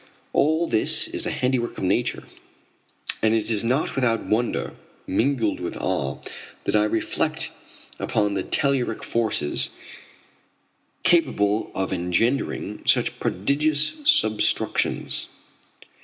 All this is the handiwork of nature, and it is not without wonder, mingled with awe, that I reflect upon the telluric forces capable of engendering such prodigious substructions.